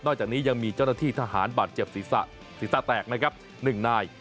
จากนี้ยังมีเจ้าหน้าที่ทหารบาดเจ็บศีรษะศีรษะแตกนะครับ๑นาย